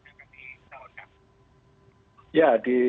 siapa yang akan dicalonkan